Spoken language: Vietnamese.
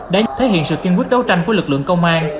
là một sự kiên quyết đấu tranh của lực lượng công an